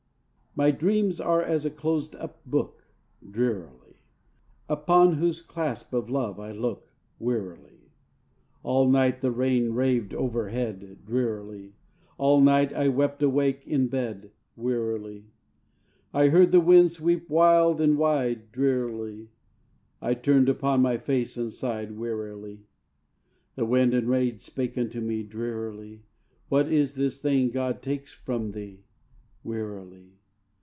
My dreams are as a closed up book, (Drearily.) Upon whose clasp of love I look, Wearily. All night the rain raved overhead, Drearily; All night I wept awake in bed, Wearily. I heard the wind sweep wild and wide, Drearily; I turned upon my face and sighed, Wearily. The wind and rain spake unto me, Drearily: "What is this thing God takes from thee?" (Wearily.)